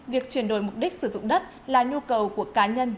việc chuyển đổi mục đích sử dụng đất là nhu cầu của cá nhân